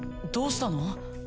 どうしたの？